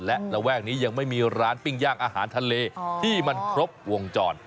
และระแวกนี้ยังไม่มีร้านปิ้งย่างอาหารทะเลที่มันครบวงจร